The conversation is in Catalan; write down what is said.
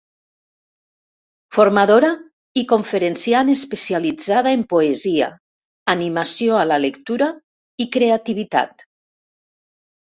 Formadora i conferenciant especialitzada en poesia, animació a la lectura i creativitat.